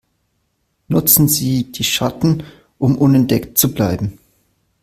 Nutzen Sie die Schatten, um unentdeckt zu bleiben!